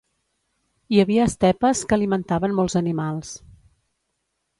Hi havia estepes que alimentaven molts animals.